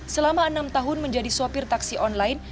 selama enam tahun menjadi sopir taksi online